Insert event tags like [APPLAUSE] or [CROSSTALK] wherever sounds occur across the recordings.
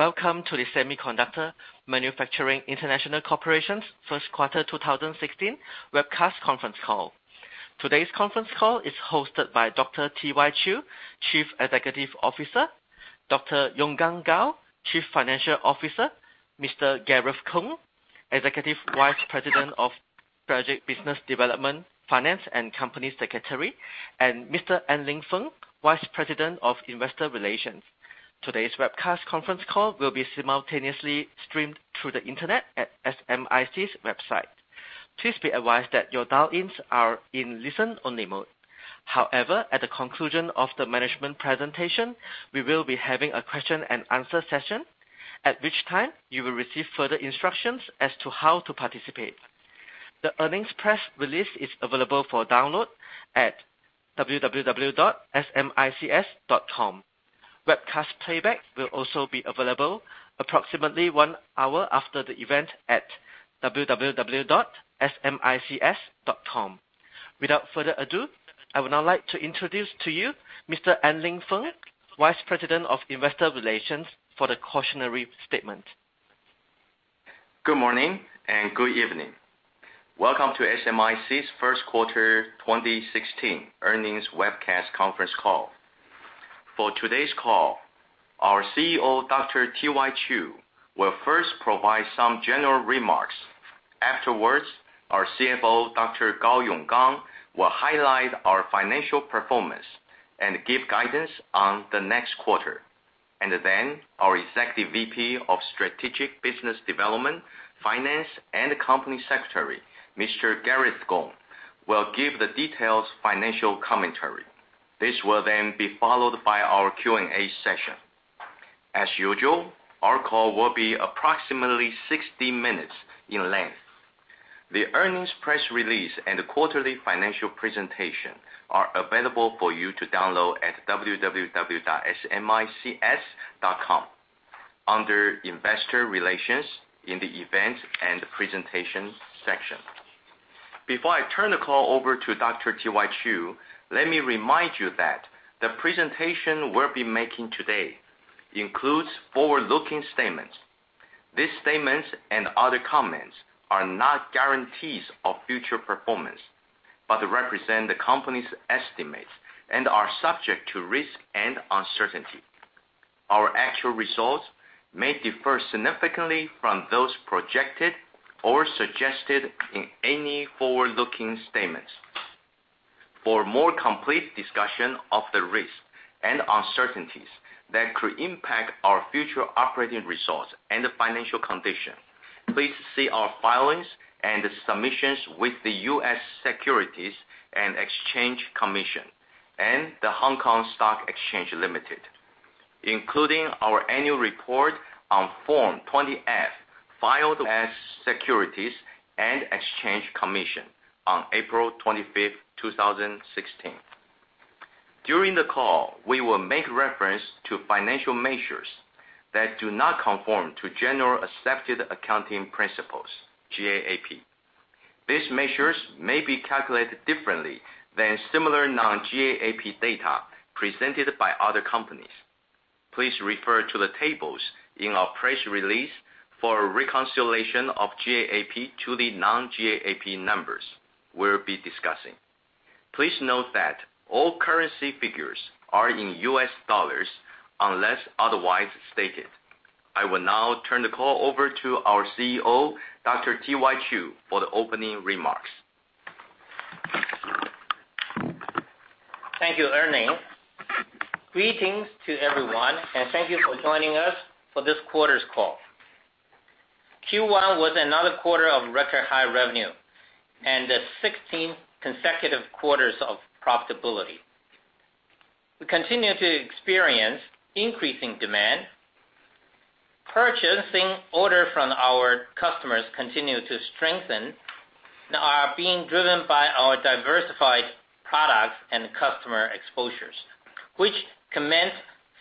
Welcome to the Semiconductor Manufacturing International Corporation's first quarter 2016 webcast conference call. Today's conference call is hosted by Dr. T.Y. Chiu, Chief Executive Officer, Dr. Yonggang Gao, Chief Financial Officer, Mr. Gareth Kung, Executive Vice President of Project Business Development, Finance, and Company Secretary, and Mr. En-Ling Feng, Vice President of Investor Relations. Today's webcast conference call will be simultaneously streamed through the internet at SMIC's website. Please be advised that your dial-ins are in listen-only mode. However, at the conclusion of the management presentation, we will be having a question and answer session, at which time you will receive further instructions as to how to participate. The earnings press release is available for download at www.smics.com. Webcast playback will also be available approximately one hour after the event at www.smics.com. Without further ado, I would now like to introduce to you Mr. En-Ling Feng, Vice President of Investor Relations, for the cautionary statement. Good morning and good evening. Welcome to SMIC's first quarter 2016 earnings webcast conference call. For today's call, our CEO, Dr. T.Y. Chiu, will first provide some general remarks. Afterwards, our CFO, Dr. Gao Yonggang, will highlight our financial performance and give guidance on the next quarter. Our Executive VP of Strategic Business Development, Finance, and Company Secretary, Mr. Gareth Kung, will give the detailed financial commentary. This will be followed by our Q&A session. As usual, our call will be approximately 60 minutes in length. The earnings press release and the quarterly financial presentation are available for you to download at www.smics.com under Investor Relations in the Events and Presentation section. Before I turn the call over to Dr. T.Y. Chiu, let me remind you that the presentation we'll be making today includes forward-looking statements. These statements and other comments are not guarantees of future performance, but represent the company's estimates and are subject to risk and uncertainty. Our actual results may differ significantly from those projected or suggested in any forward-looking statements. For a more complete discussion of the risks and uncertainties that could impact our future operating results and financial condition, please see our filings and submissions with the U.S. Securities and Exchange Commission and the Hong Kong Stock Exchange Limited, including our annual report on Form 20-F filed as Securities and Exchange Commission on April 25th, 2016. During the call, we will make reference to financial measures that do not conform to generally accepted accounting principles, GAAP. These measures may be calculated differently than similar non-GAAP data presented by other companies. Please refer to the tables in our press release for a reconciliation of GAAP to the non-GAAP numbers we'll be discussing. Please note that all currency figures are in US dollars unless otherwise stated. I will now turn the call over to our CEO, Dr. T.Y. Chiu, for the opening remarks. Thank you, En-Ling. Greetings to everyone, and thank you for joining us for this quarter's call. Q1 was another quarter of record high revenue and 16 consecutive quarters of profitability. We continue to experience increasing demand. Purchasing orders from our customers continue to strengthen and are being driven by our diversified products and customer exposures, which commence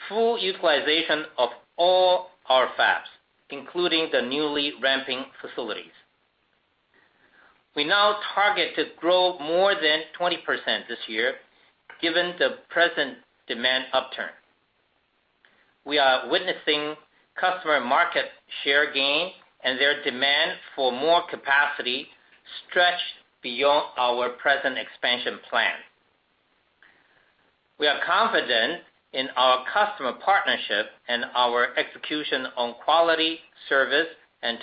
full utilization of all our fabs, including the newly ramping facilities. We now target to grow more than 20% this year, given the present demand upturn. We are witnessing customer market share gain and their demand for more capacity stretched beyond our present expansion plan. We are confident in our customer partnership and our execution on quality, service, and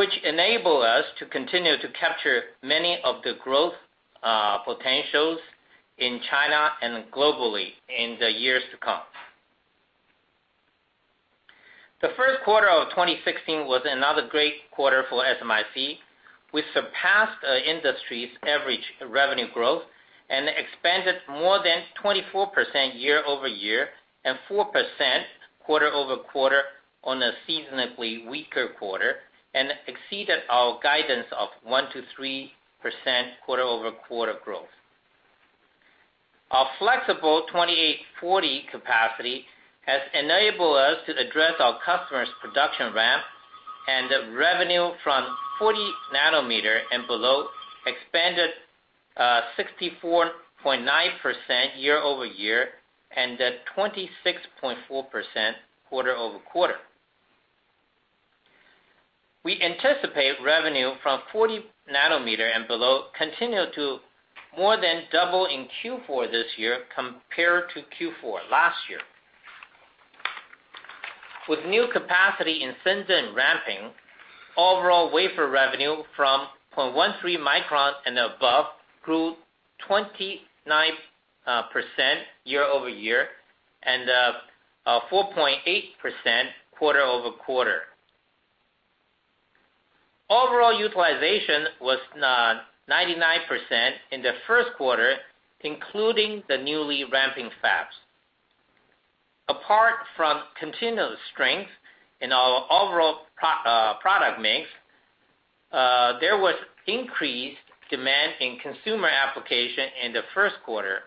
technology, which enable us to continue to capture many of the growth potentials in China and globally in the years to come. The first quarter of 2016 was another great quarter for SMIC, which surpassed the industry's average revenue growth and expanded more than 24% year-over-year and 4% quarter-over-quarter on a seasonally weaker quarter and exceeded our guidance of 1% to 3% quarter-over-quarter growth. Our flexible 28/40 capacity has enabled us to address our customers' production ramp The revenue from 40 nanometer and below expanded 64.9% year-over-year and 26.4% quarter-over-quarter. We anticipate revenue from 40 nanometer and below continue to more than double in Q4 this year compared to Q4 last year. With new capacity in Shenzhen ramping, overall wafer revenue from 0.13 micron and above grew 29% year-over-year and 4.8% quarter-over-quarter. Overall utilization was 99% in the first quarter, including the newly ramping fabs. Apart from continued strength in our overall product mix, there was increased demand in consumer application in the first quarter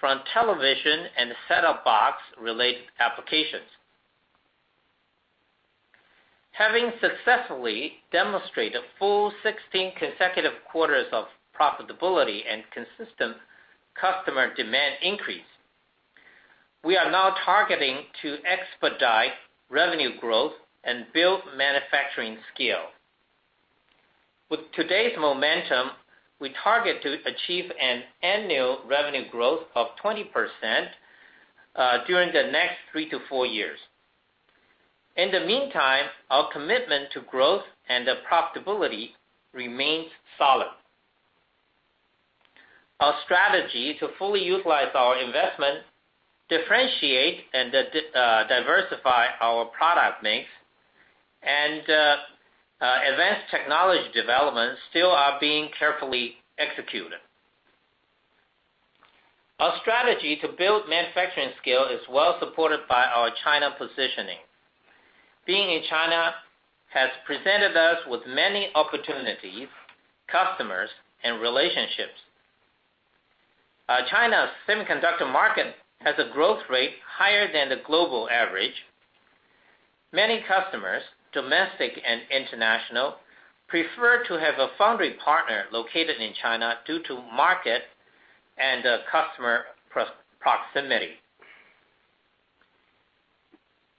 from television and set-top box-related applications. Having successfully demonstrated a full 16 consecutive quarters of profitability and consistent customer demand increase, we are now targeting to expedite revenue growth and build manufacturing scale. With today's momentum, we target to achieve an annual revenue growth of 20% during the next three to four years. In the meantime, our commitment to growth and profitability remains solid. Our strategy to fully utilize our investment, differentiate and diversify our product mix, and advanced technology developments still are being carefully executed. Our strategy to build manufacturing scale is well supported by our China positioning. Being in China has presented us with many opportunities, customers, and relationships. China's semiconductor market has a growth rate higher than the global average. Many customers, domestic and international, prefer to have a foundry partner located in China due to market and customer proximity.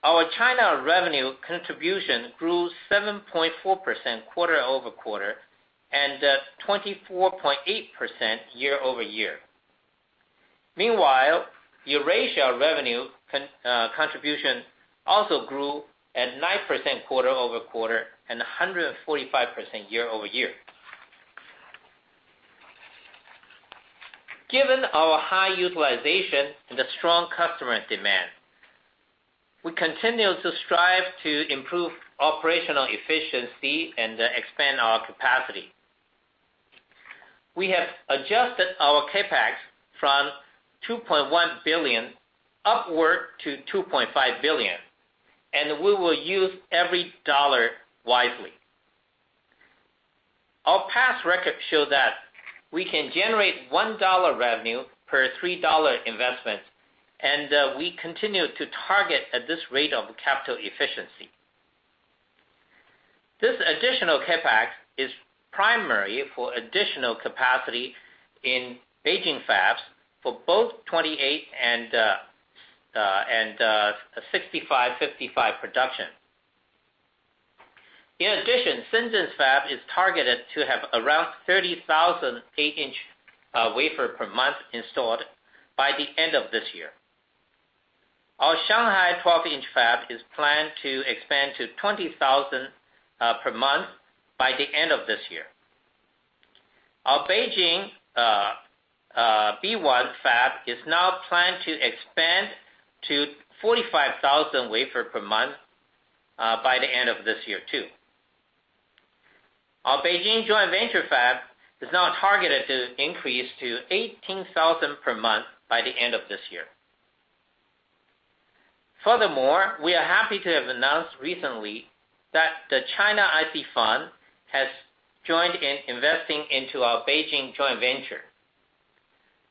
Our China revenue contribution grew 7.4% quarter-over-quarter and 24.8% year-over-year. Meanwhile, Eurasia revenue contribution also grew at 9% quarter-over-quarter and 145% year-over-year. Given our high utilization and the strong customer demand, we continue to strive to improve operational efficiency and expand our capacity. We have adjusted our CapEx from $2.1 billion upward to $2.5 billion. We will use every dollar wisely. Our past records show that we can generate $1 revenue per $3 investment, and we continue to target at this rate of capital efficiency. This additional CapEx is primary for additional capacity in Beijing fabs for both 28 and 65, 55 production. In addition, Shenzhen's fab is targeted to have around 30,000 eight-inch wafer per month installed by the end of this year. Our Shanghai 12-inch fab is planned to expand to 20,000 per month by the end of this year. Our Beijing B1 fab is now planned to expand to 45,000 wafer per month by the end of this year, too. Our Beijing joint venture fab is now targeted to increase to 18,000 per month by the end of this year. Furthermore, we are happy to have announced recently that the China IC Fund has joined in investing into our Beijing joint venture.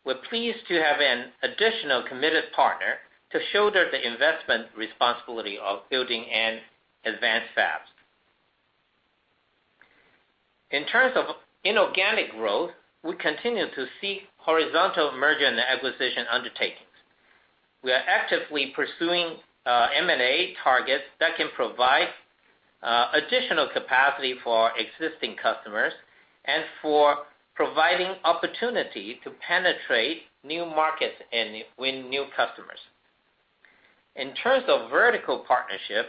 We're pleased to have an additional committed partner to shoulder the investment responsibility of building an advanced fabs. In terms of inorganic growth, we continue to seek horizontal merger and acquisition undertakings. We are actively pursuing M&A targets that can provide additional capacity for existing customers and for providing opportunity to penetrate new markets and win new customers. In terms of vertical partnership,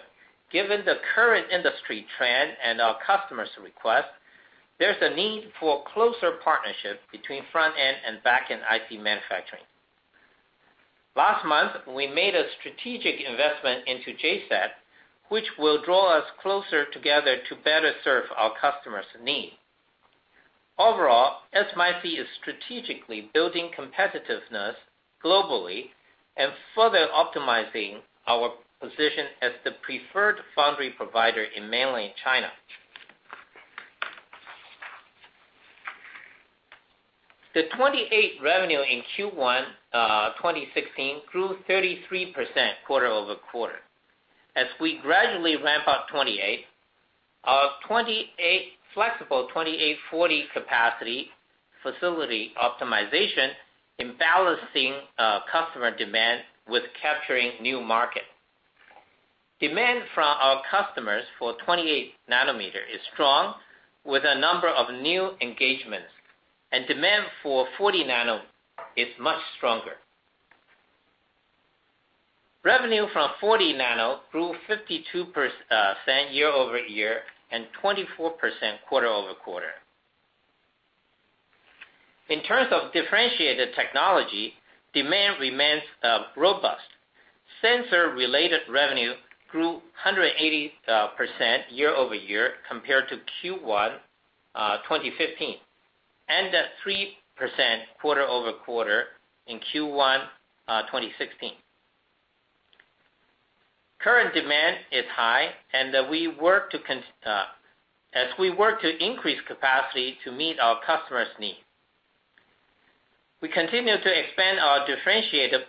given the current industry trend and our customers request, there's a need for closer partnership between front-end and back-end IP manufacturing. Last month, we made a strategic investment into JCET, which will draw us closer together to better serve our customers' need. Overall, SMIC is strategically building competitiveness globally and further optimizing our position as the preferred foundry provider in mainland China. The 28 revenue in Q1 2016 grew 33% quarter-over-quarter. As we gradually ramp up 28, our flexible 28/40 capacity facility optimization in balancing customer demand with capturing new market. Demand from our customers for 28 nanometer is strong, with a number of new engagements. Demand for 40 nano is much stronger. Revenue from 40 nano grew 52% year-over-year, 24% quarter-over-quarter. In terms of differentiated technology, demand remains robust. Sensor related revenue grew 180% year-over-year compared to Q1 2015, 3% quarter-over-quarter in Q1 2016. Current demand is high. As we work to increase capacity to meet our customers' needs, we continue to expand our differentiated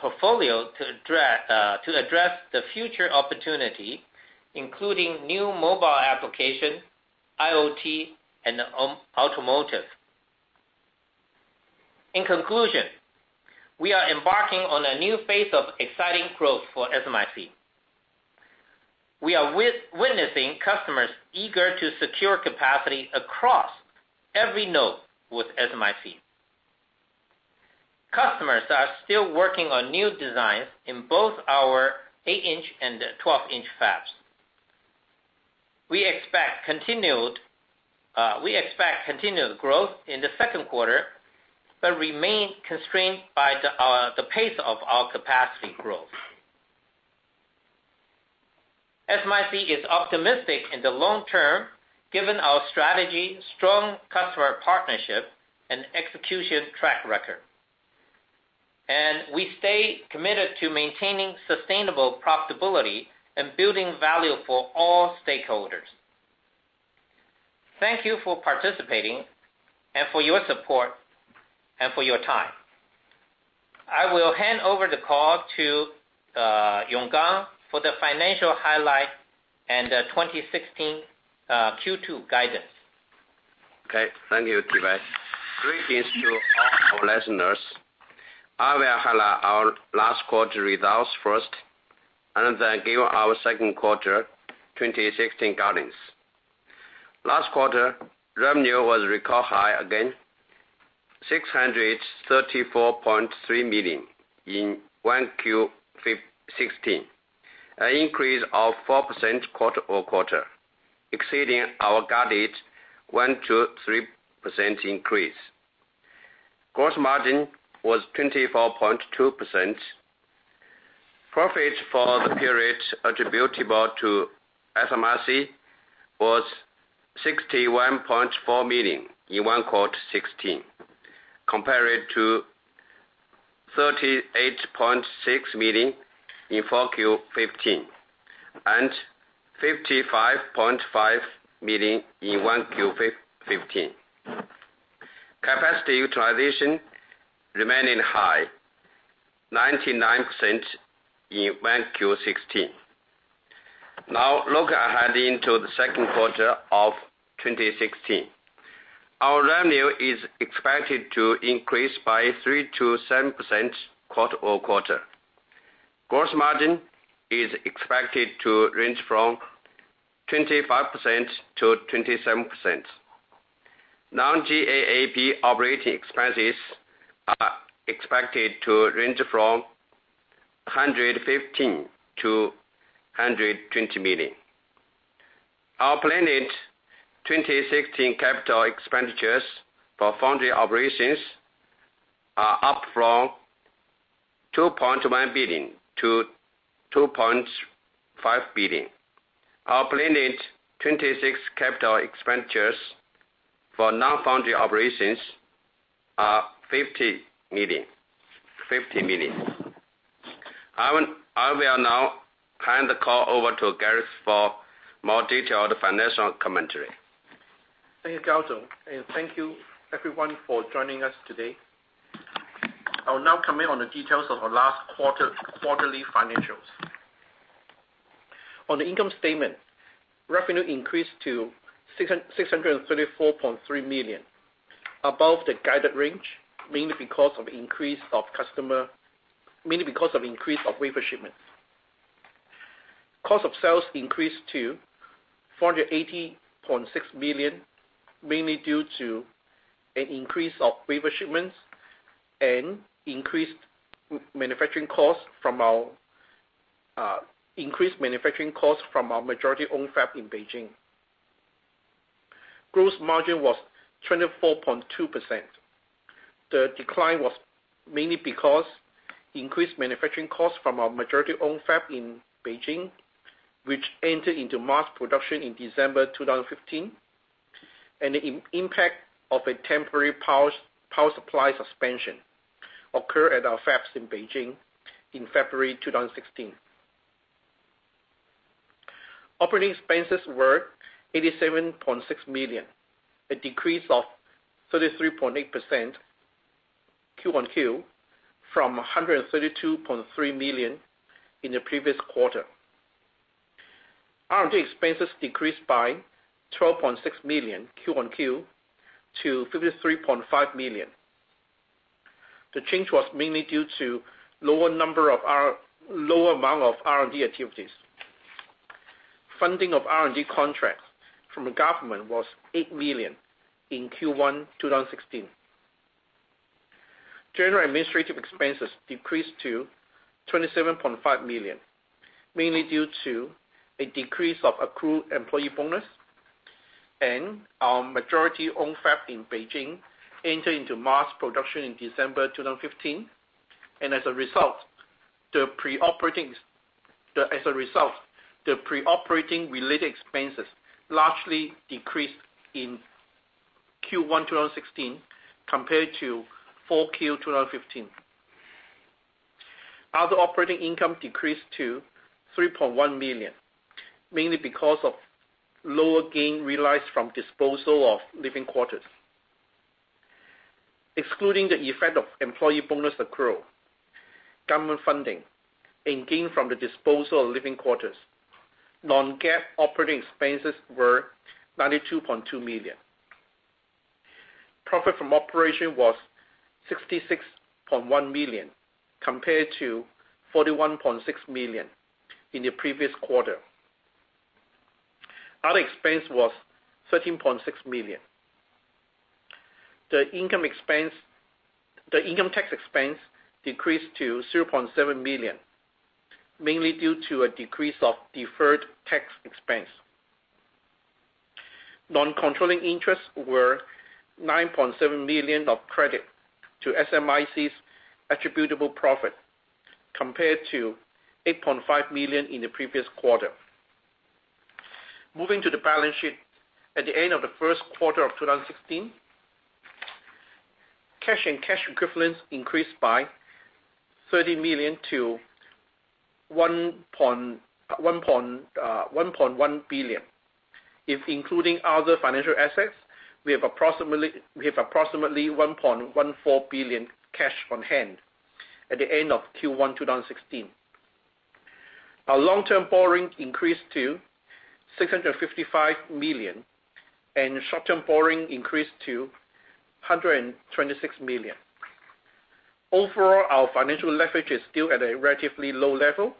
portfolio to address the future opportunity, including new mobile application, IoT, and automotive. In conclusion, we are embarking on a new phase of exciting growth for SMIC. We are witnessing customers eager to secure capacity across every node with SMIC. Customers are still working on new designs in both our 8-inch and 12-inch fabs. We expect continued growth in the second quarter, but remain constrained by the pace of our capacity growth. SMIC is optimistic in the long term, given our strategy, strong customer partnership, and execution track record. We stay committed to maintaining sustainable profitability and building value for all stakeholders. Thank you for participating and for your support and for your time. I will hand over the call to Yonggang for the financial highlight and the 2016 Q2 guidance. Okay. Thank you, T.Y. Chiu. Greetings to all our listeners. I will highlight our last quarter results first, give our second quarter 2016 guidance. Last quarter, revenue was record high again, $634.3 million in 1Q16, an increase of 4% quarter-over-quarter, exceeding our guided 1%-3% increase. Gross margin was 24.2%. Profit for the period attributable to SMIC was $61.4 million in 1Q16, compared to $38.6 million in 4Q15, and $55.5 million in 1Q15. Capacity utilization remaining high, 99% in 1Q16. Now, looking ahead into the second quarter of 2016. Our revenue is expected to increase by 3%-7% quarter-over-quarter. Gross margin is expected to range from 25%-27%. Non-GAAP operating expenses are expected to range from $115 million-$120 million. Our planned 2016 capital expenditures for foundry operations are up from $2.1 billion-$2.5 billion. Our planned 2016 capital expenditures for non-foundry operations are $50 million. I will now hand the call over to Gareth for more detailed financial commentary. Thank you, Gao. Thank you everyone for joining us today. I will now comment on the details of our last quarterly financials. On the income statement, revenue increased to $634.3 million, above the guided range, mainly because of increase of wafer shipments. Cost of sales increased to $480.6 million, mainly due to an increase of wafer shipments and increased manufacturing costs from our majority-owned fab in Beijing. Gross margin was 24.2%. The decline was mainly because increased manufacturing costs from our majority-owned fab in Beijing, which entered into mass production in December 2015, and the impact of a temporary power supply suspension occur at our fabs in Beijing in February 2016. Operating expenses were $87.6 million, a decrease of 33.8% QOQ from $132.3 million in the previous quarter. R&D expenses decreased by $12.6 million QOQ to $53.5 million. The change was mainly due to lower amount of R&D activities. Funding of R&D contracts from the government was $8 million in Q1 2016. General administrative expenses decreased to $27.5 million, mainly due to a decrease of accrued employee bonus and our majority-owned fab in Beijing entered into mass production in December 2015. As a result, the pre-operating related expenses largely decreased in Q1 2016 compared to 4Q 2015. Other operating income decreased to $3.1 million, mainly because of lower gain realized from disposal of living quarters. Excluding the effect of employee bonus accrual, government funding, and gain from the disposal of living quarters, non-GAAP operating expenses were $92.2 million. Profit from operation was $66.1 million, compared to $41.6 million in the previous quarter. Other expense was $13.6 million. The income tax expense decreased to $0.7 million, mainly due to a decrease of deferred tax expense. Non-controlling interests were $9.7 million of credit to SMIC's attributable profit, compared to $8.5 million in the previous quarter. Moving to the balance sheet. At the end of the first quarter of 2016, cash and cash equivalents increased by $30 million to $1.1 billion. If including other financial assets, we have approximately $1.14 billion cash on hand at the end of Q1 2016. Our long-term borrowing increased to $655 million, and short-term borrowing increased to $126 million. Overall, our financial leverage is still at a relatively low level.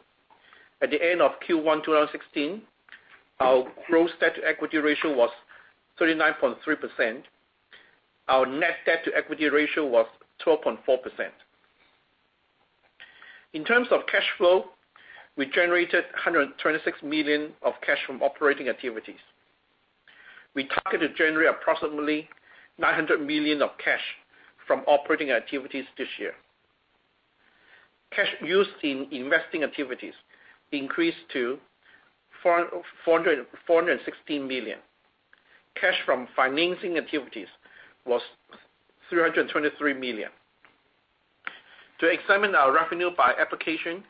At the end of Q1 2016, our growth debt to equity ratio was 39.3%. Our net debt to equity ratio was 12.4%. In terms of cash flow, we generated $126 million of cash from operating activities. We targeted to generate approximately $900 million of cash from operating activities this year. Cash used in investing activities increased to $416 million. Cash from financing activities was $323 million. To examine our revenue by application,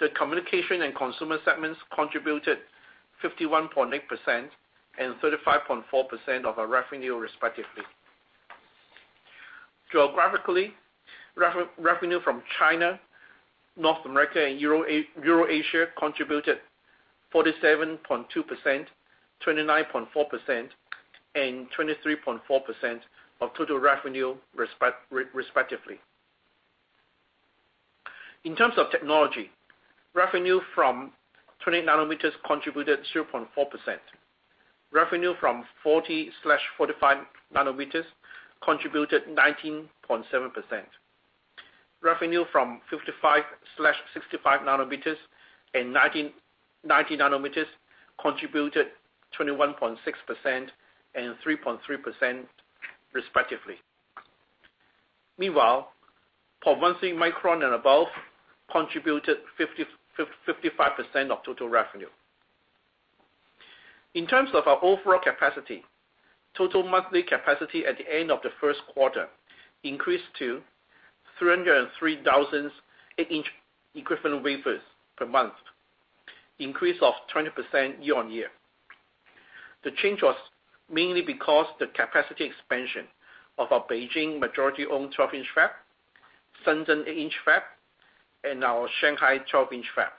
the communication and consumer segments contributed 51.8% and 35.4% of our revenue respectively. Geographically, revenue from China, North America, and Eurasia contributed 47.2%, 29.4%, and 23.4% of total revenue respectively. In terms of technology, revenue from 28 nanometers contributed 0.4%. Revenue from 40/45 nanometers contributed 19.7%. Revenue from 55/65 nanometers and 90 nanometers contributed 21.6% and 3.3% respectively. Meanwhile, for 0.13 micron and above contributed 55% of total revenue. In terms of our overall capacity, total monthly capacity at the end of the first quarter increased to 303,000 8-inch equivalent wafers per month, increase of 20% year-on-year. The change was mainly because the capacity expansion of our Beijing majority-owned 12-inch fab, Shenzhen 8-inch fab, and our Shanghai 12-inch fab.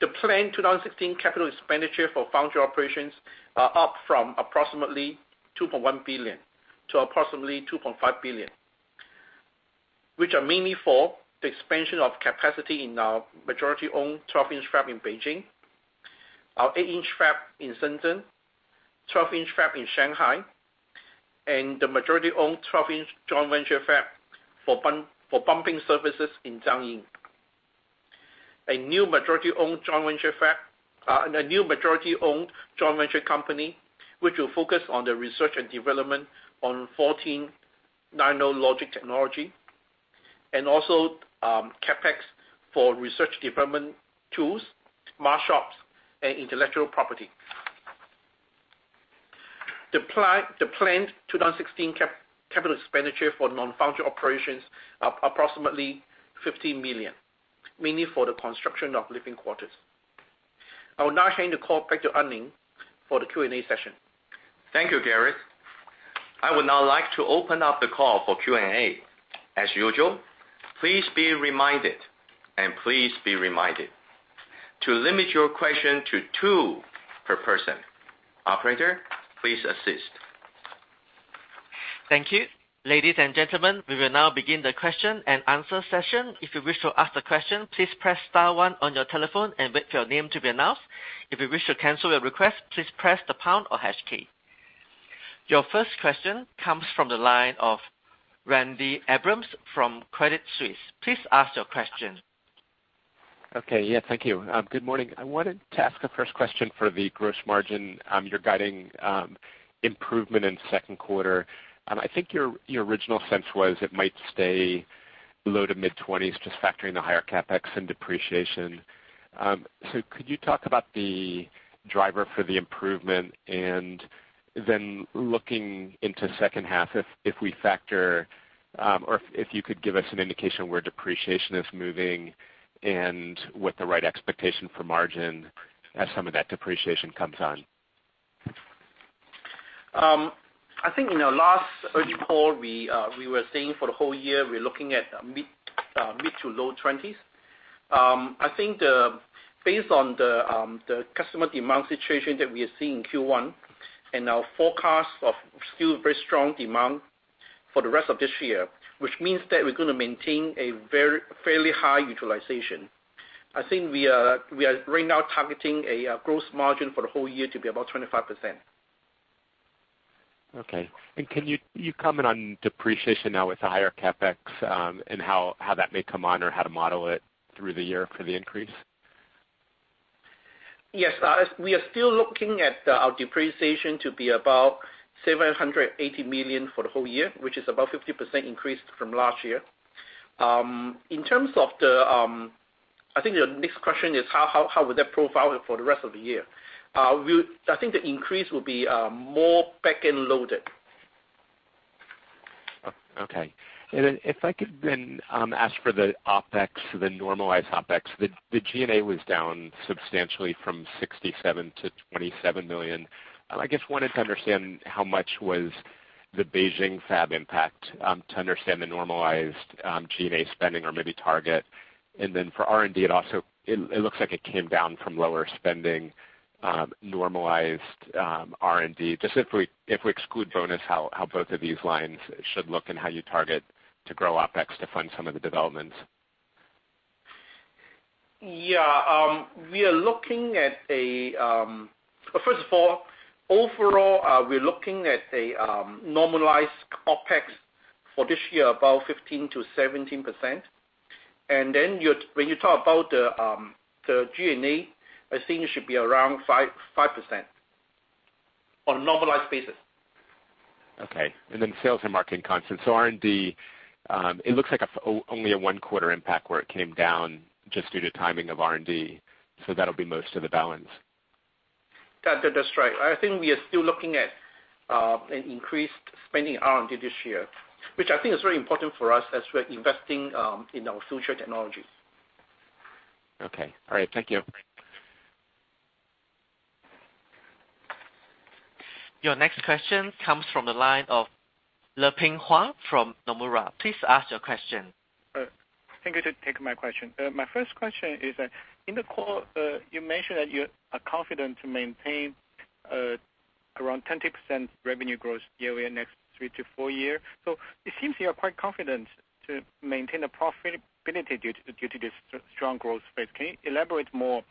The planned 2016 capital expenditure for foundry operations are up from approximately $2.1 billion-$2.5 billion, which are mainly for the expansion of capacity in our majority-owned 12-inch fab in Beijing, our 8-inch fab in Shenzhen, 12-inch fab in Shanghai, and the majority-owned 12-inch joint venture fab for bumping services in Jiangyin. A new majority-owned joint venture company, which will focus on the research and development on 14 nanometer logic technology, and also CapEx for research development tools, smart shops, and intellectual property. The planned 2016 capital expenditure for non-foundry operations are approximately $50 million, mainly for the construction of living quarters. I will now hand the call back to En-Ling for the Q&A session. Thank you, Gareth. I would now like to open up the call for Q&A. As usual, please be reminded to limit your question to two per person. Operator, please assist. Thank you. Ladies and gentlemen, we will now begin the question and answer session. If you wish to ask a question, please press star one on your telephone and wait for your name to be announced. If you wish to cancel your request, please press the pound or hash key. Your first question comes from the line of Randy Abrams from Credit Suisse. Please ask your question. Okay. Yeah, thank you. Good morning. I wanted to ask a first question for the gross margin. You're guiding improvement in the second quarter. I think your original sense was it might stay low to mid-20s, just factoring the higher CapEx and depreciation. Could you talk about the driver for the improvement? Looking into second half, if you could give us an indication where depreciation is moving and what the right expectation for margin as some of that depreciation comes on. I think in our last earnings call, we were saying for the whole year, we're looking at mid to low 20s. I think based on the customer demand situation that we are seeing in Q1 and our forecast of still very strong demand for the rest of this year, which means that we're going to maintain a fairly high utilization. I think we are right now targeting a gross margin for the whole year to be about 25%. Can you comment on depreciation now with the higher CapEx, and how that may come on or how to model it through the year for the increase? Yes. We are still looking at our depreciation to be about $780 million for the whole year, which is about 50% increase from last year. I think your next question is how would that profile for the rest of the year? I think the increase will be more back-end loaded. Okay. If I could then ask for the normalized OpEx. The G&A was down substantially from $67 million to $27 million. I just wanted to understand how much was the Beijing fab impact, to understand the normalized G&A spending or maybe target. For R&D, it looks like it came down from lower spending, normalized R&D. Just if we exclude bonus, how both of these lines should look and how you target to grow OpEx to fund some of the developments? Yeah. First of all, overall, we're looking at a normalized OpEx for this year, about 15%-17%. When you talk about the G&A, I think it should be around 5% on a normalized basis. Okay. Sales and marketing constant. R&D, it looks like only a one-quarter impact where it came down just due to timing of R&D. That'll be most of the balance. That's right. I think we are still looking at an increased spending R&D this year, which I think is very important for us as we're investing in our future technologies. Okay. All right. Thank you. Your next question comes from the line of Leping Huang from Nomura. Please ask your question. Thank you. Thank you for taking my question. My first question is that in the call, you mentioned that you are confident to maintain around 20% revenue growth yearly in next three to four year. It seems you are quite confident to maintain the profitability due to this strong growth space. Can you elaborate more?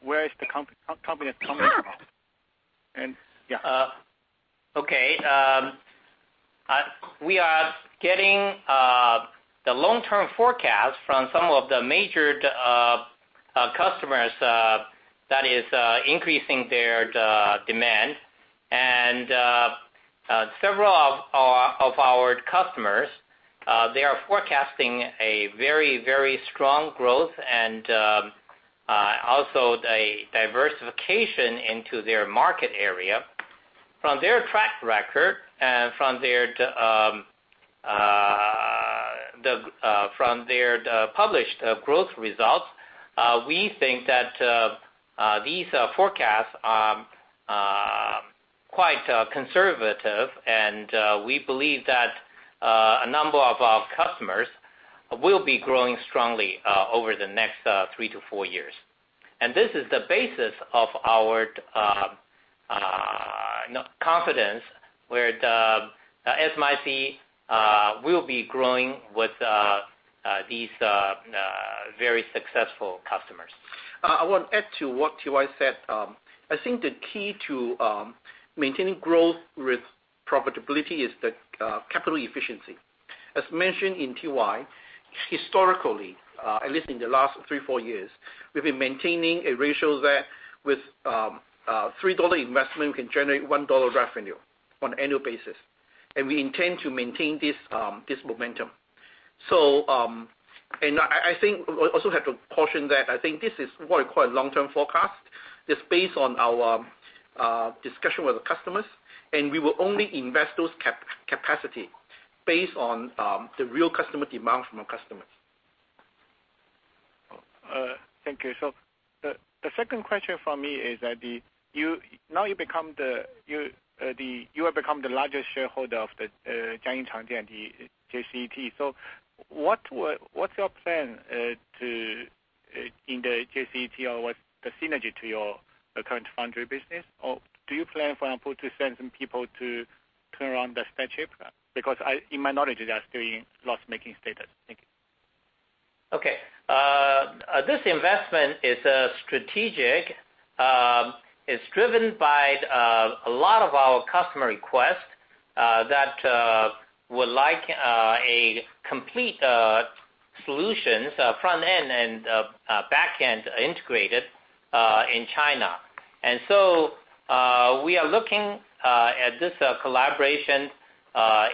Where is the confidence coming from? Yeah. Okay. We are getting the long-term forecast from some of the major customers that is increasing their demand. Several of our customers, they are forecasting a very strong growth and also a diversification into their market area. From their track record and from their published growth results, we think that these forecasts are quite conservative, and we believe that a number of our customers will be growing strongly over the next three to four years. This is the basis of our confidence where SMIC will be growing with these very successful customers. I want to add to what TY said. I think the key to maintaining growth with profitability is the capital efficiency. As mentioned in TY, historically, at least in the last three, four years, we've been maintaining a ratio that with $3 investment, we can generate $1 revenue on annual basis. We intend to maintain this momentum. I think we also have to caution that I think this is what you call a long-term forecast. It's based on our discussion with the customers, we will only invest those capacity based on the real customer demand from our customers. Thank you. The second question from me is that now you have become the largest shareholder of the Jiangyin Changjiang, the JCET. What's your plan in the JCET or what's the synergy to your current foundry business? Do you plan, for example, to send some people to turn around the? [INAUDIBLE] Because in my knowledge, they are still in loss-making status. Thank you. Okay. This investment is strategic. It's driven by a lot of our customer requests that would like a complete solution, front end and back end integrated, in China. We are looking at this collaboration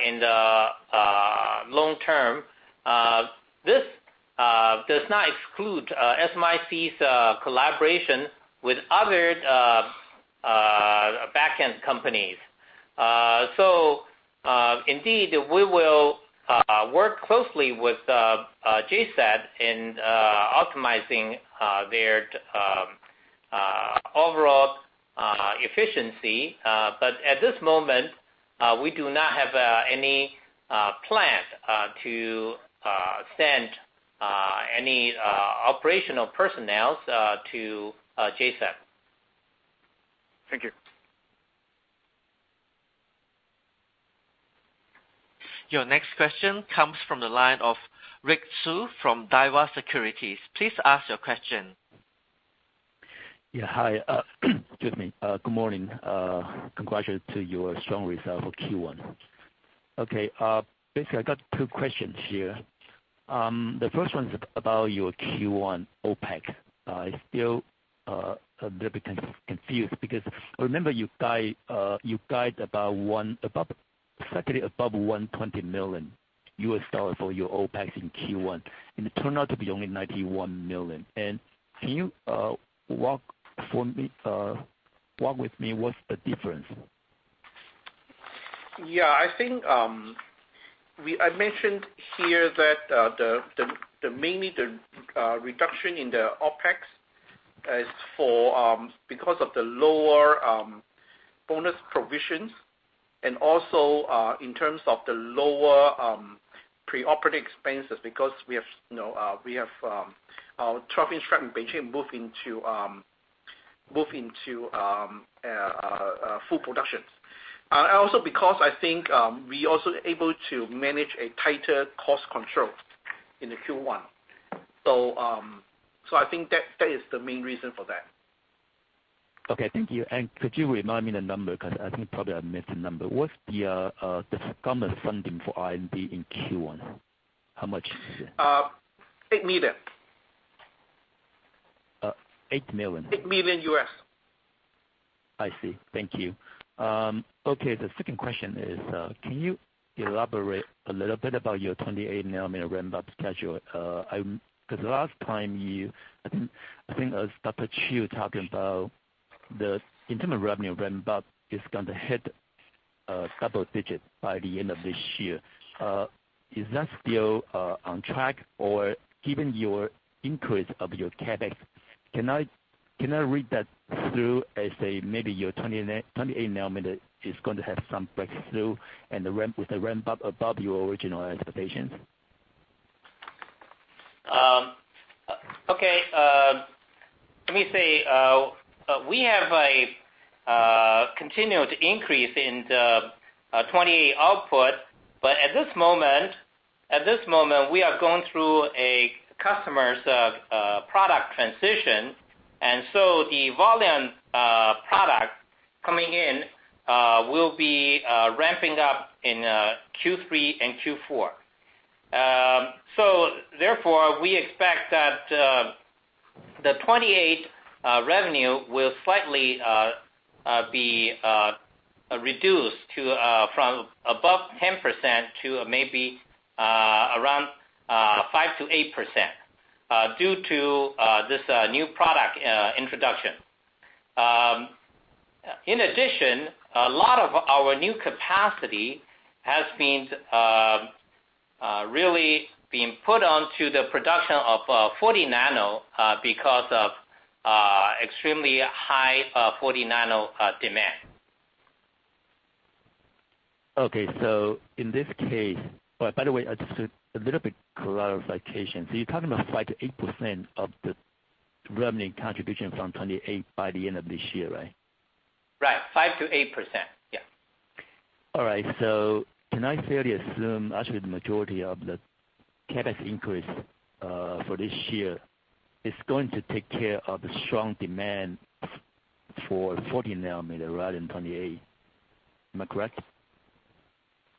in the long term. This does not exclude SMIC's collaboration with other back end companies. Indeed, we will work closely with JCET in optimizing their overall efficiency. At this moment, we do not have any plan to send any operational personnel to JCET. Thank you. Your next question comes from the line of Rick Hsu from Daiwa Securities. Please ask your question. Yeah. Hi. Excuse me. Good morning. Congratulations to your strong result for Q1. Okay. Basically, I got two questions here. The first one's about your Q1 OpEx. I'm still a little bit confused because remember, you guide slightly above $120 million for your OpEx in Q1, and it turned out to be only $91 million. Can you walk with me what's the difference? Yeah, I think I mentioned here that mainly the reduction in the OpEx is because of the lower bonus provisions and also in terms of the lower pre-operating expenses, because we have our 12-inch fab in Beijing move into full production. Also because I think we also able to manage a tighter cost control in the Q1. I think that is the main reason for that. Okay. Thank you. Could you remind me the number? Because I think probably I missed the number. What's the government funding for R&D in Q1? How much is it? $8 million. $8 million. $8 million. I see. Thank you. Okay, the second question is, can you elaborate a little bit about your 28 nanometer ramp-up schedule? Last time, I think Dr. Chiu talking about the internal revenue ramp-up is going to hit double digits by the end of this year. Is that still on track? Given your increase of your CapEx, can I read that through as a maybe your 28 nanometer is going to have some breakthrough and with a ramp-up above your original expectations? Okay. Let me say, we have a continued increase in the 28 output, but at this moment, we are going through a customer's product transition. The volume product coming in will be ramping up in Q3 and Q4. Therefore, we expect that the 28 revenue will slightly be reduced from above 10% to maybe around 5%-8% due to this new product introduction. In addition, a lot of our new capacity has been really being put onto the production of 40 nanometer because of extremely high 40 nanometer demand. Okay, in this case. Oh, by the way, just a little bit clarification. You're talking about 5%-8% of the revenue contribution from 28 by the end of this year, right? Right. 5%-8%. Yeah. All right. Can I fairly assume actually the majority of the CapEx increase for this year is going to take care of the strong demand for 40 nanometer rather than 28? Am I correct?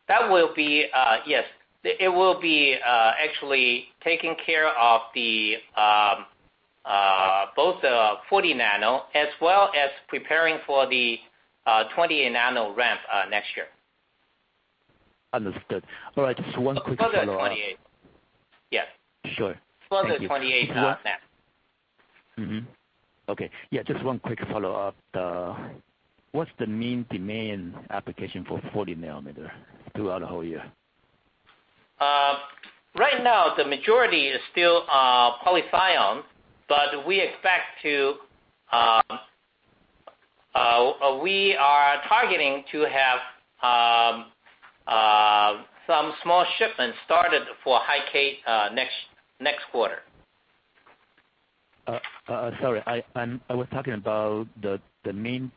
Yes. It will be actually taking care of the Both 40 nano as well as preparing for the 28 nano ramp next year. Understood. All right, just one quick follow-up. Yes. Sure. Thank you. For the 28 nano ramp. Okay. Yeah, just one quick follow-up. What's the main demand application for 40 nanometer throughout the whole year? Right now, the majority is still poly-Si, but we are targeting to have some small shipments started for high-K next quarter. Sorry, I was talking about the main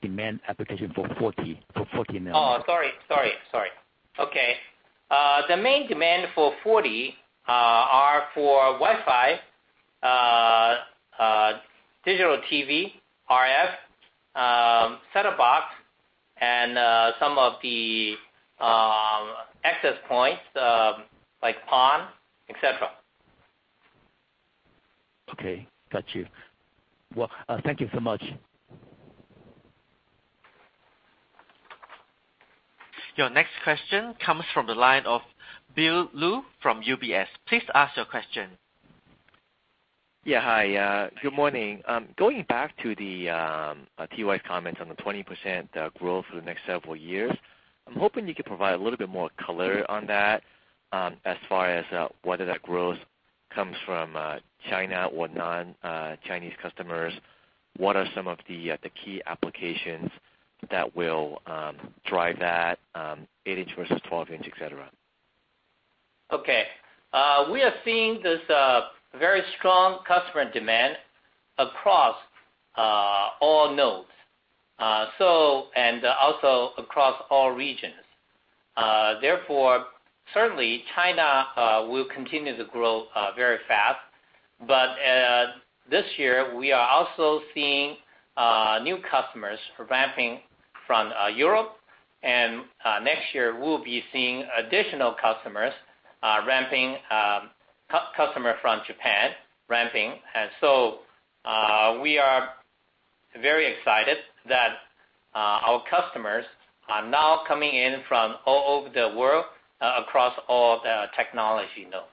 demand application for 40 nanometer. Oh, sorry. Okay. The main demand for 40 are for Wi-Fi, digital TV, RF, set-top box, and some of the access points like PON, et cetera. Okay, got you. Well thank you so much. Your next question comes from the line of Bill Lu from UBS. Please ask your question. Yeah. Hi, good morning. Going back to the TY comments on the 20% growth for the next several years, I'm hoping you could provide a little bit more color on that as far as whether that growth comes from China or non-Chinese customers. What are some of the key applications that will drive that, 8-inch versus 12-inch, et cetera? Okay. We are seeing this very strong customer demand across all nodes and also across all regions. Certainly China will continue to grow very fast. This year we are also seeing new customers ramping from Europe and next year we'll be seeing additional customers from Japan ramping. We are very excited that our customers are now coming in from all over the world across all the technology nodes.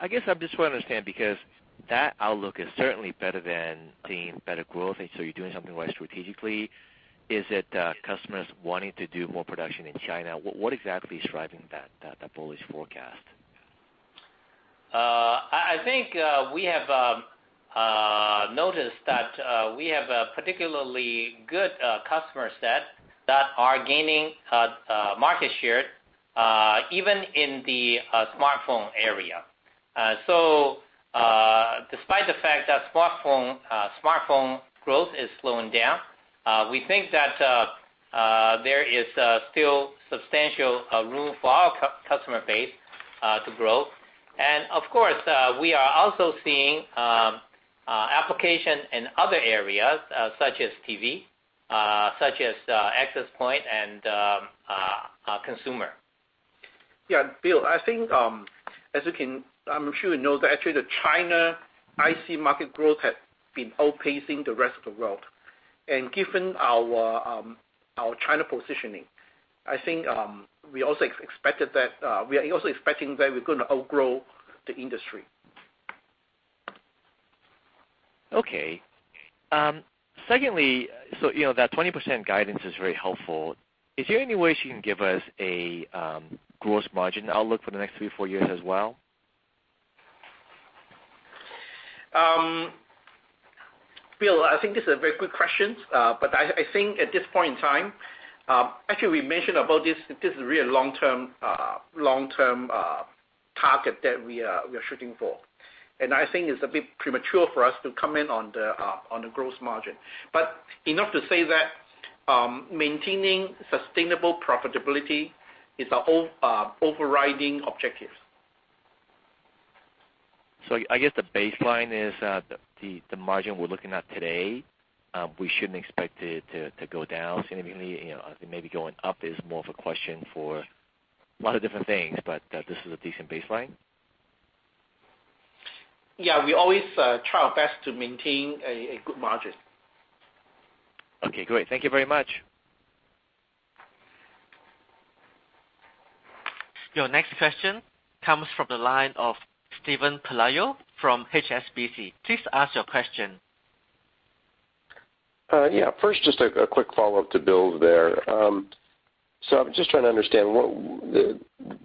I guess I just want to understand because that outlook is certainly better than seeing better growth. You're doing something right strategically. Is it customers wanting to do more production in China? What exactly is driving that bullish forecast? I think we have noticed that we have a particularly good customer set that are gaining market share even in the smartphone area. Despite the fact that smartphone growth is slowing down, we think that there is still substantial room for our customer base to grow. Of course, we are also seeing application in other areas such as TV, such as access point, and consumer. Bill, I think as you can I'm sure you know that actually the China IC market growth has been outpacing the rest of the world. Given our China positioning, I think we are also expecting that we're going to outgrow the industry. Okay. Secondly, that 20% guidance is very helpful. Is there any way you can give us a gross margin outlook for the next three to four years as well? Bill, I think this is a very good question. I think at this point in time, actually we mentioned about this is a real long-term target that we are shooting for. I think it's a bit premature for us to comment on the gross margin. Enough to say that maintaining sustainable profitability is our overriding objective. I guess the baseline is the margin we're looking at today. We shouldn't expect it to go down significantly. Maybe going up is more of a question for a lot of different things, this is a decent baseline? Yeah, we always try our best to maintain a good margin. Okay, great. Thank you very much. Your next question comes from the line of Steven Pelayo from HSBC. Please ask your question. Yeah, first, just a quick follow-up to Bill there. I'm just trying to understand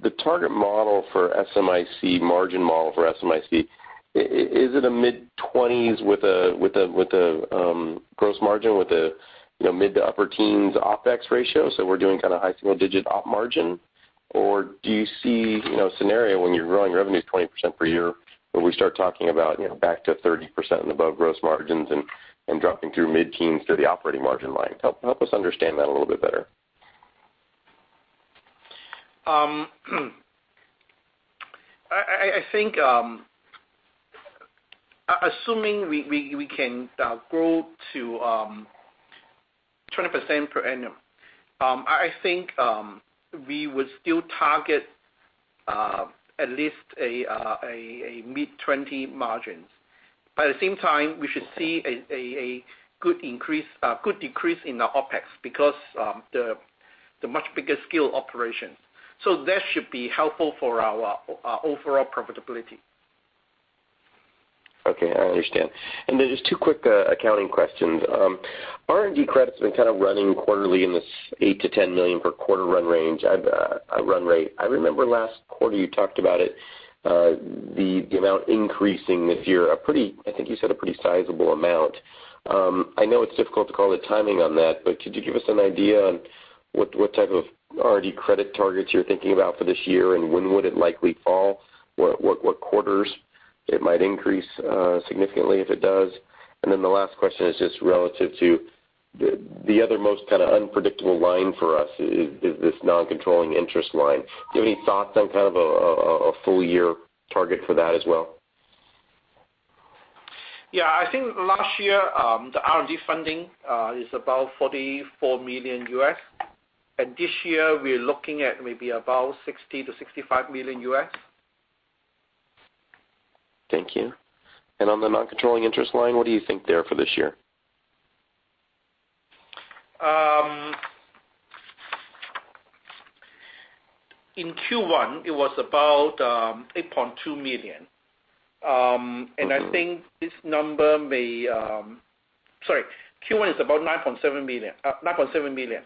the target model for SMIC margin model for SMIC. Is it a mid-twenties with a gross margin with a mid to upper teens OpEx ratio, we're doing kind of high-single-digit op margin? Or do you see a scenario when you're growing revenues 20% per year where we start talking about back to 30% and above gross margins and dropping through mid-teens through the operating margin line? Help us understand that a little bit better. Assuming we can grow to 20% per annum, I think we would still target at least a mid 20 margins. At the same time, we should see a good decrease in the OpEx because of the much bigger scale operations. That should be helpful for our overall profitability. Okay, I understand. Just two quick accounting questions. R&D credit's been kind of running quarterly in this $8 million to $10 million per quarter run rate. I remember last quarter you talked about it, the amount increasing this year, I think you said a pretty sizable amount. I know it's difficult to call the timing on that, could you give us an idea on what type of R&D credit targets you're thinking about for this year, and when would it likely fall? What quarters it might increase significantly if it does? The last question is just relative to the other most kind of unpredictable line for us is this non-controlling interest line. Do you have any thoughts on kind of a full year target for that as well? I think last year, the R&D funding is about $44 million. This year we're looking at maybe about $60 million to $65 million. Thank you. On the non-controlling interest line, what do you think there for this year? In Q1, it was about $8.2 million. Sorry, Q1 is about $9.7 million.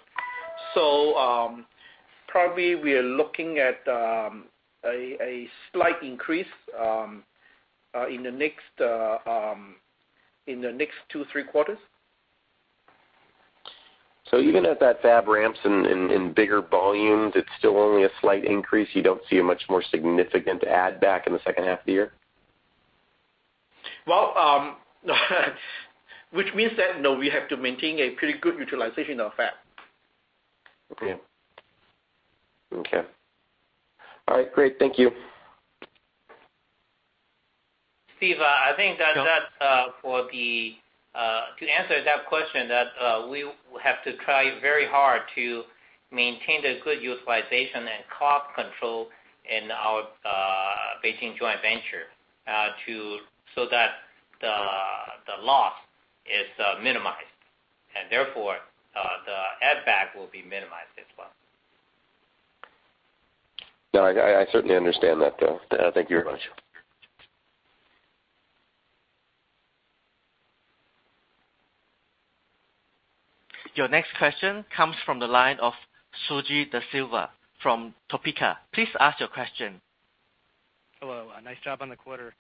Probably we are looking at a slight increase in the next two, three quarters. Even as that fab ramps in bigger volumes, it's still only a slight increase? You don't see a much more significant add back in the second half of the year? Well, which means that, no, we have to maintain a pretty good utilization of fab. Okay. All right, great. Thank you. Steve, I think that to answer that question, we will have to try very hard to maintain the good utilization and cost control in our Beijing joint venture, so that the loss is minimized, and therefore, the add back will be minimized as well. I certainly understand that, [INAUDIBLE] Thank you very much. Your next question comes from the line of Suji Desilva from Topeka. Please ask your question. Hello. Nice job on the quarter.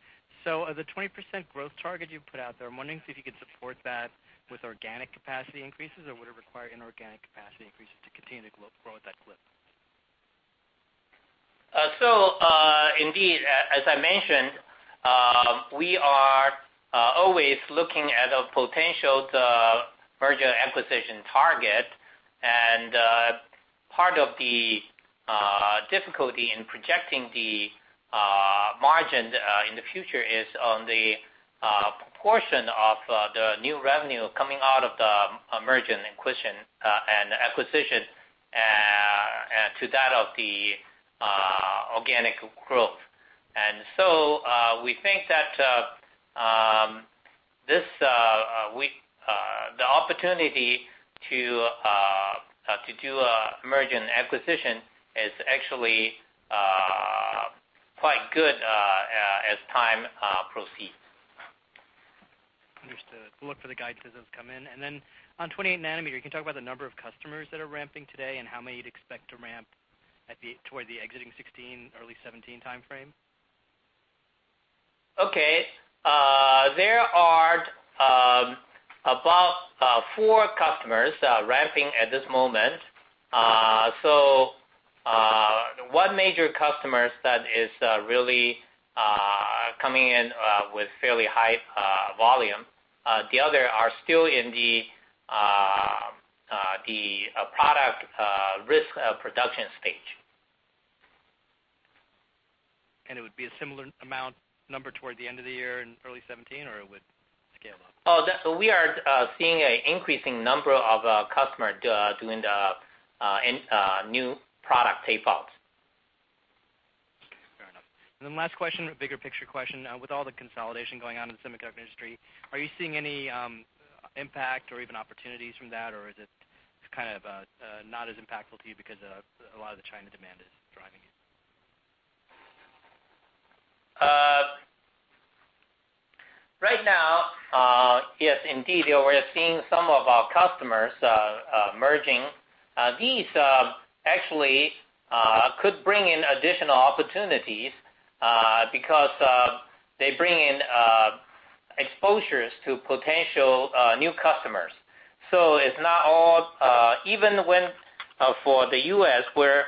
The 20% growth target you put out there, I'm wondering if you could support that with organic capacity increases, or would it require inorganic capacity increases to continue to grow at that clip? Indeed, as I mentioned, we are always looking at a potential merger acquisition target. Part of the difficulty in projecting the margins in the future is on the portion of the new revenue coming out of the merger and acquisition to that of the organic growth. We think that the opportunity to do a merger and acquisition is actually quite good as time proceeds. Understood. We'll look for the guidance as it's come in. On 28 nanometer, can you talk about the number of customers that are ramping today, and how many you'd expect to ramp toward the exiting 2016, early 2017 timeframe? Okay. There are about four customers ramping at this moment. One major customer that is really coming in with fairly high volume. The other are still in the product risk production stage. It would be a similar amount number toward the end of the year in early 2017, or it would scale up? We are seeing an increasing number of customers doing the new product tape out. Fair enough. Last question, a bigger picture question. With all the consolidation going on in the semiconductor industry, are you seeing any impact or even opportunities from that, or is it kind of not as impactful to you because a lot of the China demand is driving it? Right now, yes, indeed, we are seeing some of our customers merging. These actually could bring in additional opportunities, because they bring in exposures to potential new customers. It's not all, even when for the U.S. where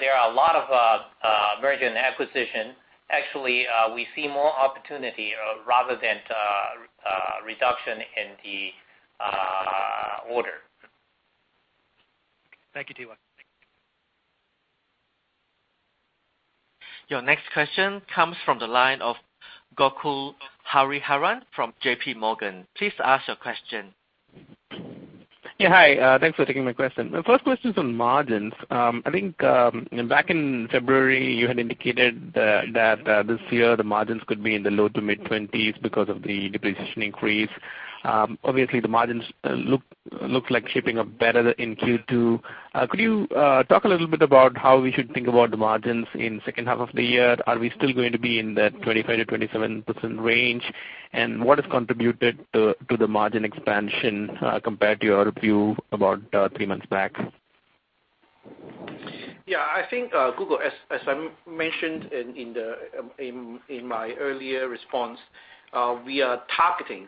there are a lot of Merger and acquisition. Actually, we see more opportunity rather than reduction in the order. Thank you, T.Y. Your next question comes from the line of Gokul Hariharan from JP Morgan. Please ask your question. Yeah. Hi. Thanks for taking my question. My first question is on margins. I think, back in February, you had indicated that this year the margins could be in the low to mid-20s because of the depreciation increase. Obviously, the margins look like shaping up better in Q2. Could you talk a little bit about how we should think about the margins in second half of the year? Are we still going to be in that 25%-27% range? What has contributed to the margin expansion, compared to your view about three months back? Yeah, I think, Gokul, as I mentioned in my earlier response, we are targeting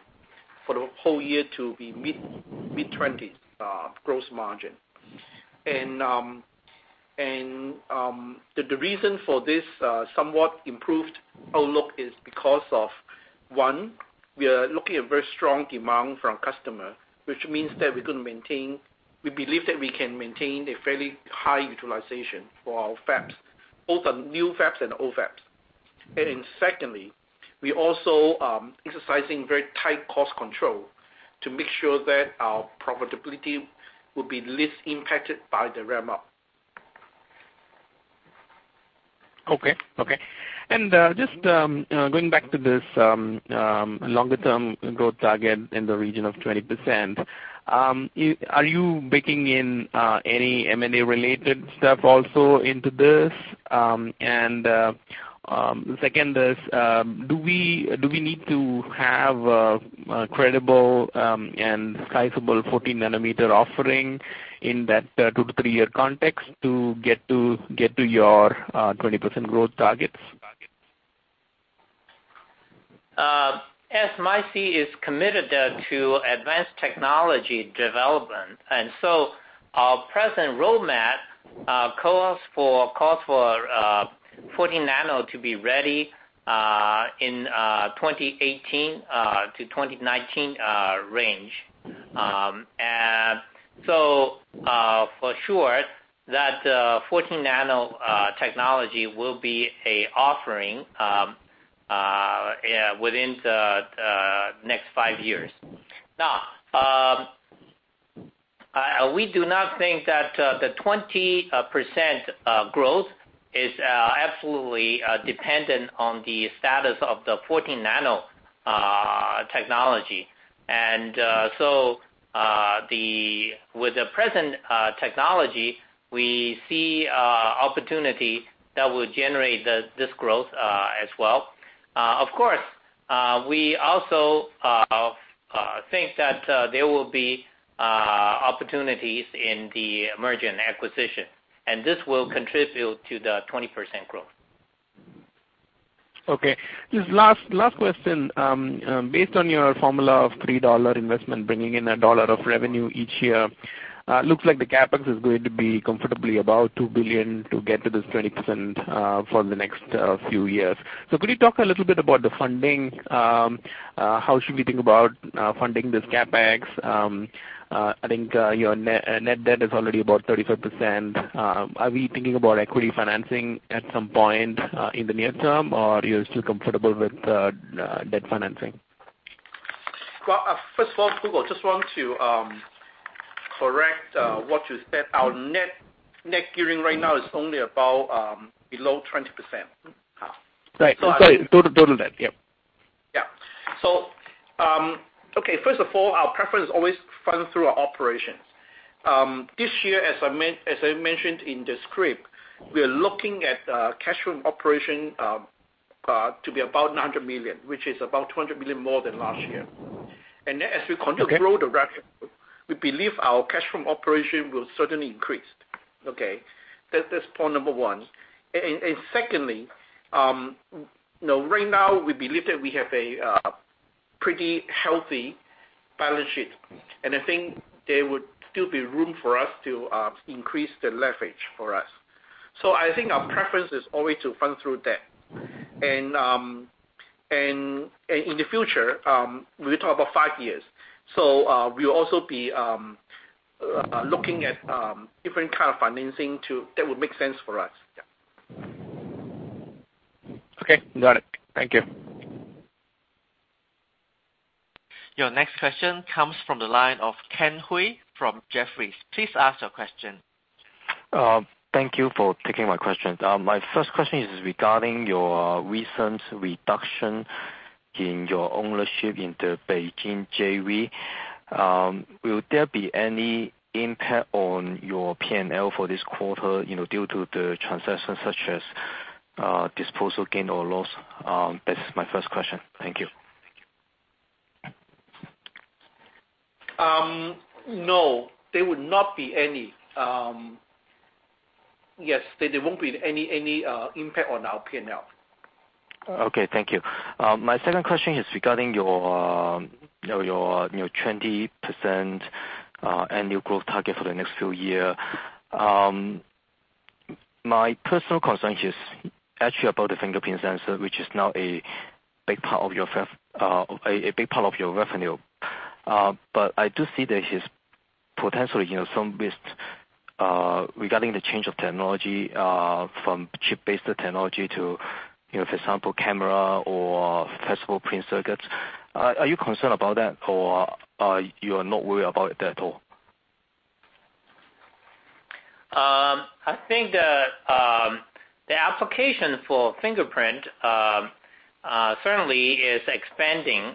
for the whole year to be mid-20s gross margin. The reason for this somewhat improved outlook is because of, one, we are looking at very strong demand from customer, which means that we believe that we can maintain a fairly high utilization for our fabs, both on new fabs and old fabs. Secondly, we also exercising very tight cost control to make sure that our profitability will be less impacted by the ramp-up. Okay. Just going back to this longer-term growth target in the region of 20%, are you baking in any M&A-related stuff also into this? Second is, do we need to have a credible and sizable 14 nanometer offering in that two to three-year context to get to your 20% growth targets? SMIC is committed to advanced technology development. Our present roadmap calls for 14 nano to be ready in 2018 to 2019 range. For sure that 14 nano technology will be an offering within the next five years. We do not think that the 20% growth is absolutely dependent on the status of the 14 nano technology. With the present technology, we see opportunity that will generate this growth as well. Of course, we also think that there will be opportunities in the merger and acquisition, and this will contribute to the 20% growth. Okay. Just last question. Based on your formula of $3 investment bringing in a dollar of revenue each year, looks like the CapEx is going to be comfortably above $2 billion to get to this 20% for the next few years. Could you talk a little bit about the funding? How should we think about funding this CapEx? I think your net debt is already about 35%. Are we thinking about equity financing at some point in the near term, or you're still comfortable with debt financing? Well, first of all, Gokul, just want to correct what you said. Our net gearing right now is only about below 20%. Right. Sorry. Total debt. Yep. Okay, first of all, our preference always fund through our operations. This year, as I mentioned in the script, we are looking at cash from operation to be about $900 million, which is about $200 million more than last year. as we continue- Okay to grow the revenue, we believe our cash from operation will certainly increase. Okay? That is point number 1. secondly, right now we believe that we have a pretty healthy balance sheet, and I think there would still be room for us to increase the leverage for us. I think our preference is always to fund through debt. in the future, we talk about five years. we'll also be looking at different kind of financing that would make sense for us. Yeah. Okay. Got it. Thank you. Your next question comes from the line of Ken Hui from Jefferies. Please ask your question. Thank you for taking my question. My first question is regarding your recent reduction in your ownership in the Beijing JV. Will there be any impact on your P&L for this quarter, due to the transaction, such as disposal gain or loss? That's my first question. Thank you. No, there would not be any. Yes, there won't be any impact on our P&L. Okay, thank you. My second question is regarding your 20% annual growth target for the next few year. My personal concern is actually about the fingerprint sensor, which is now a big part of your revenue. I do see there is potentially some risks regarding the change of technology from chip-based technology to, for example, camera or flexible print circuits. Are you concerned about that, or you are not worried about it at all? I think the application for fingerprint certainly is expanding.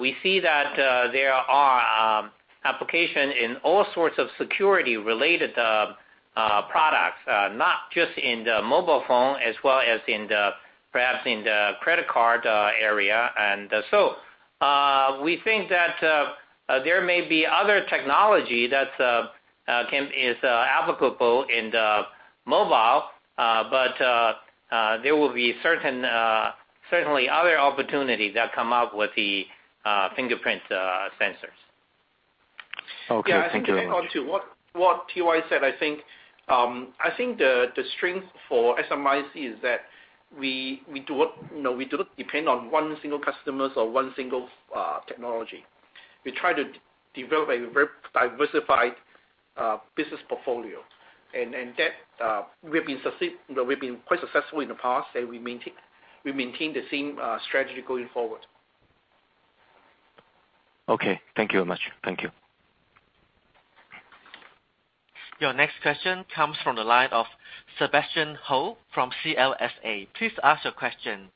We see that there are application in all sorts of security-related products, not just in the mobile phone as well as perhaps in the credit card area. We think that there may be other technology that is applicable in the mobile, but there will be certainly other opportunities that come up with the fingerprint sensors. Okay. Thank you. Yeah, I think to add on to what T.Y. said, I think the strength for SMIC is that we do not depend on one single customers or one single technology. We try to develop a very diversified business portfolio. That, we've been quite successful in the past, and we maintain the same strategy going forward. Okay. Thank you very much. Thank you. Your next question comes from the line of Sebastian Ho from CLSA. Please ask your question.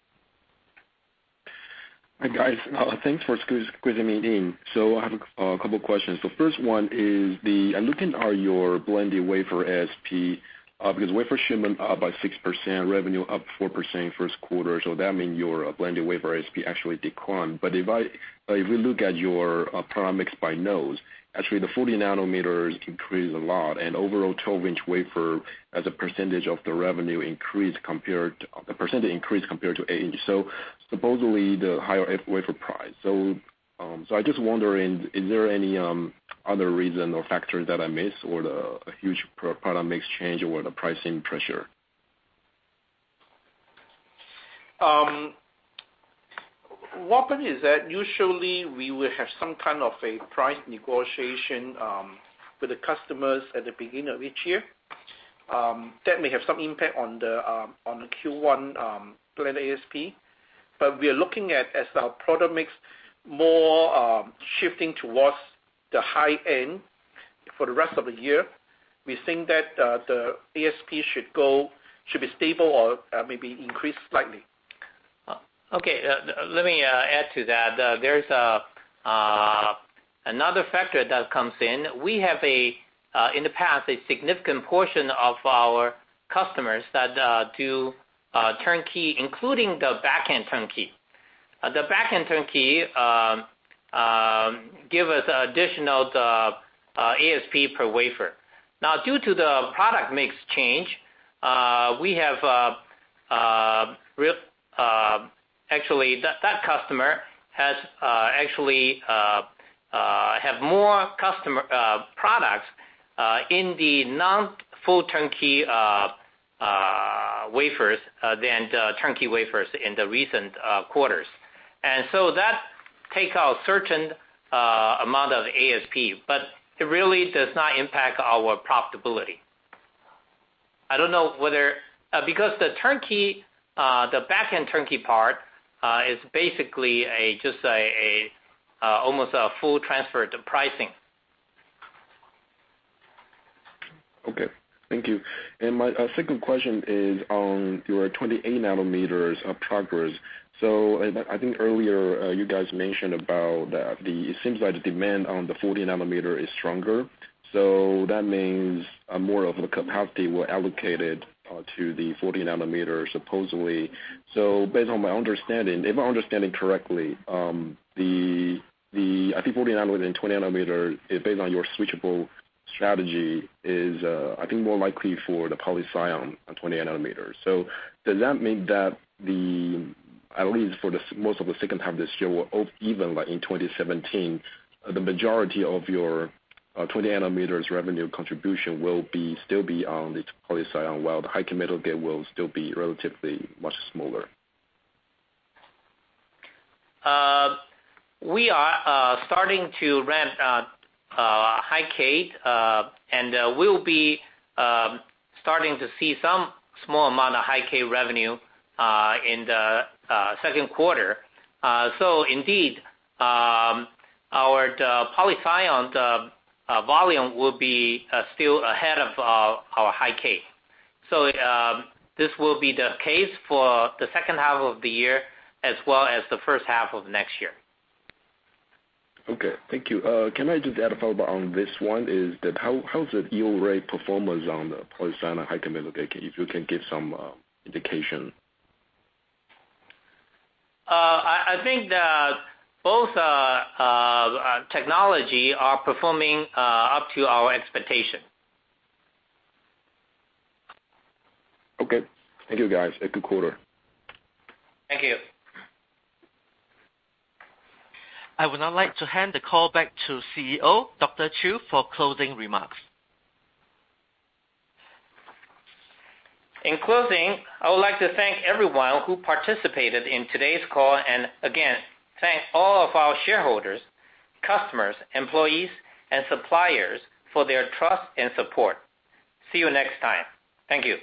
Hi, guys. Thanks for squeezing me in. I have a couple questions. The first one is the I'm looking at your blended wafer ASP, because wafer shipment up by 6%, revenue up 4% first quarter, that mean your blended wafer ASP actually declined. If we look at your product mix by nodes, actually the 40 nanometers increased a lot, and overall 12-inch wafer as a percentage of the revenue increased compared to 8-inch. Supposedly, the higher wafer price. I just wondering, is there any other reason or factor that I missed or the huge product mix change or the pricing pressure? What happened is that usually we will have some kind of a price negotiation with the customers at the beginning of each year. That may have some impact on the Q1 blended ASP. We are looking at as our product mix more shifting towards the high end for the rest of the year. We think that the ASP should be stable or maybe increase slightly. Okay. Let me add to that. There's another factor that comes in. We have, in the past, a significant portion of our customers that do turnkey, including the back-end turnkey. The back-end turnkey give us additional ASP per wafer. Now, due to the product mix change, actually that customer has actually have more products in the non-full turnkey wafers than the turnkey wafers in the recent quarters. That take out certain amount of ASP, but it really does not impact our profitability. Because the back-end turnkey part is basically just almost a full transfer to pricing. Okay. Thank you. My second question is on your 28 nanometers progress. I think earlier you guys mentioned about the, it seems like the demand on the 40 nanometers is stronger. That means more of the capacity were allocated to the 40 nanometers supposedly. Based on my understanding, if I understand it correctly, the I think 40 nanometers and 28 nanometers, based on your switchable strategy, is I think more likely for the poly-silicon 28 nanometers. Does that mean that at least for the most of the second half of this year or even like in 2017, the majority of your 28 nanometer revenue contribution will still be on the poly-silicon, while the High-K metal gate will still be relatively much smaller? We are starting to ramp High-K, we'll be starting to see some small amount of High-K revenue in the second quarter. Indeed, our poly-silicon volume will be still ahead of our High-K. This will be the case for the second half of the year as well as the first half of next year. Okay. Thank you. Can I just add a follow-up on this one? Is that how is the yield rate performance on the poly-silicon High-K metal gate? If you can give some indication. I think that both technology are performing up to our expectation. Okay. Thank you, guys. A good quarter. Thank you. I would now like to hand the call back to CEO, Dr. Chiu, for closing remarks. In closing, I would like to thank everyone who participated in today's call, and again, thank all of our shareholders, customers, employees, and suppliers for their trust and support. See you next time. Thank you.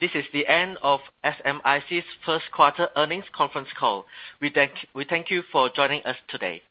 This is the end of SMIC's first quarter earnings conference call. We thank you for joining us today.